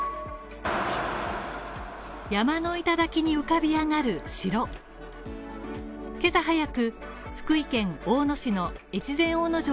山の頂に浮かび上がる城。